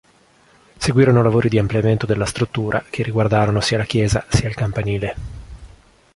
Seguirono lavori di ampliamento della struttura che riguardarono sia la chiesa sia il campanile.